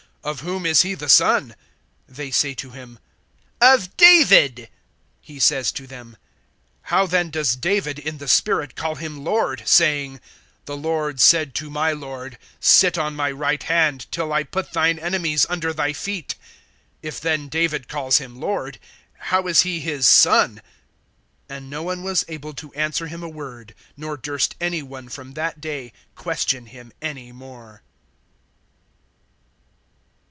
Of whom is he the son? They say to him: Of David. (43)He says to them: How then does David, in the Spirit, call him Lord, saying: (44)The Lord said to my Lord, Sit on my right hand, Till I put thine enemies under thy feet. (45)If then David calls him Lord, how is he his son? (46)And no one was able to answer him a word; nor durst any one from that day question him any more.